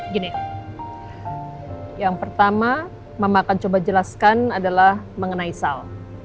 gini yang pertama mama akan coba jelaskan adalah mengenai sal